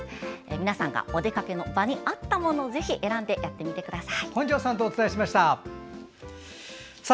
皆さんがお出かけの場に合ったものをぜひ選んでやってみてください。